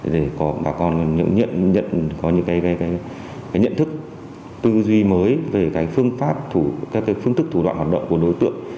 để bà con có những nhận thức tư duy mới về phương pháp phương thức thủ đoạn hoạt động của đối tượng